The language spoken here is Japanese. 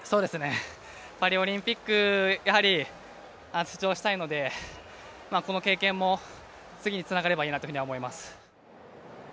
パリオリンピック、やはり出場したいのでこの経験も次につながればいいなと思います。